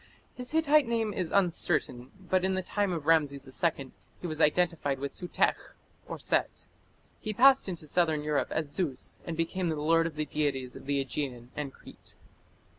His Hittite name is uncertain, but in the time of Rameses II he was identified with Sutekh (Set). He passed into southern Europe as Zeus, and became "the lord" of the deities of the Aegean and Crete.